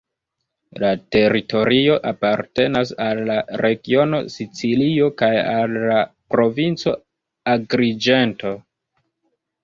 La teritorio apartenas al la regiono Sicilio kaj al la provinco Agriĝento.